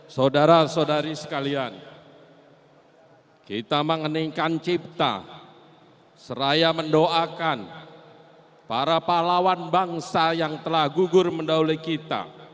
saudara saudari sekalian kita mengeningkan cipta seraya mendoakan para pahlawan bangsa yang telah gugur mendauli kita